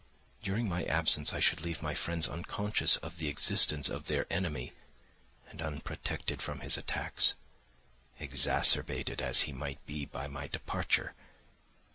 During my absence I should leave my friends unconscious of the existence of their enemy and unprotected from his attacks, exasperated as he might be by my departure.